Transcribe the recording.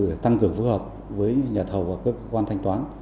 để tăng cường phối hợp với nhà thầu và các cơ quan thanh toán